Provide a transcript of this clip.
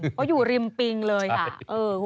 เพราะอยู่ริมปิงเลยค่ะใช่เออ